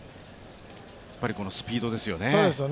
スピードですよね。